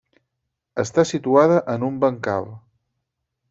Està situada en un bancal.